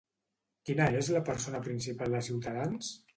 Quina és la persona principal de Ciutadans?